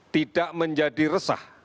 tidak menjadi resah